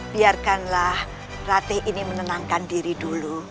biarkanlah ratih ini menenangkan diri dulu